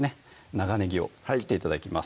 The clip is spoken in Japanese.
長ねぎを切って頂きます